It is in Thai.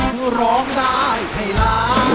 คุณร้องได้ไหมละ